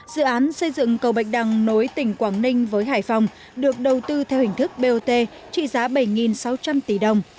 dự án xây dựng cầu bạch đăng nối tỉnh quảng ninh với hải phòng được đầu tư theo hình thức bot trị giá bảy sáu trăm linh tỷ đồng